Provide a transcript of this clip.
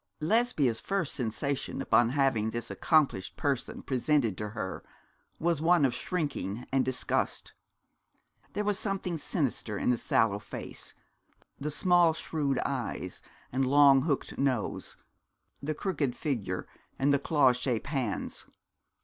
Lesbia's first sensation upon having this accomplished person presented to her was one of shrinking and disgust. There was something sinister in the sallow face, the small shrewd eyes, and long hooked nose, the crooked figure, and claw shaped hands.